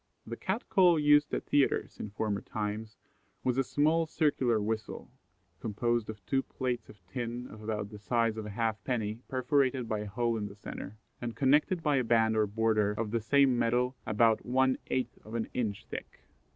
The Cat call used at theatres in former times was a small circular whistle, composed of two plates of tin of about the size of a half penny perforated by a hole in the centre, and connected by a band or border of the same metal about one eighth of an inch thick.